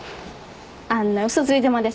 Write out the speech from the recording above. あんな嘘ついてまでさ